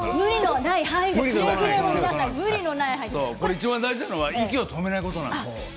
いちばん大事なのは息を止めないことです。